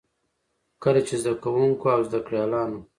کله چې زده کـوونـکو او زده کړيـالانـو